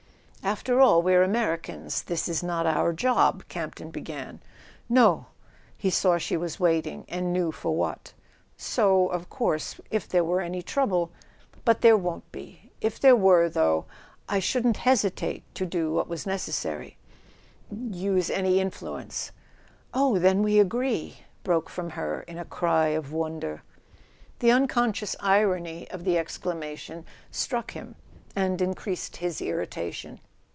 "After all, we're Americans; this is not our job—" Campton began. "No—" He saw she was waiting, and knew for what. "So of course—if there were any trouble—but there [ 18 ] A SON AT THE FRONT won't be; if there were, though, I shouldn't hesitate to do what was necessary ... use any influence. . "Oh, then we agree!" broke from her in a cry of wonder. The unconscious irony of the exclamation struck him, and increased his irritation.